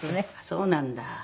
そうなんだ。